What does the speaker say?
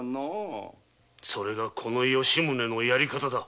それが吉宗のやり方だ。